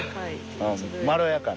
ああまろやかな。